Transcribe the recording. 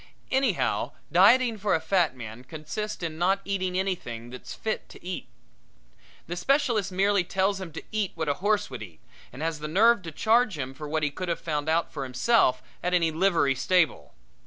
Anyhow, dieting for a fat man consists in not eating anything that's fit to eat. The specialist merely tells him to eat what a horse would eat and has the nerve to charge him for what he could have found out for himself at any livery stable.